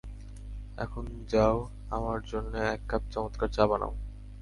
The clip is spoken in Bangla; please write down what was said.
এখন যাও, আমার জন্যে এক কাপ চমৎকার চা বানাও।